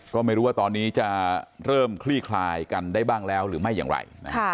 ก็ไม่รู้ว่าตอนนี้จะเริ่มคลี่คลายกันได้บ้างแล้วหรือไม่อย่างไร